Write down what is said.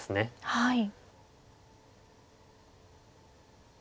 はい。